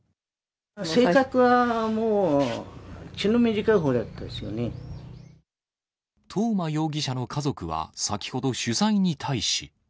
性格はもう、東間容疑者の家族は先ほど取材に対し。